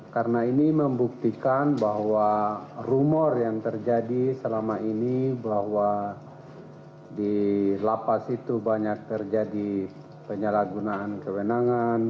karena ini membuktikan bahwa rumor yang terjadi selama ini bahwa di lapas itu banyak terjadi penyalahgunaan kewenangan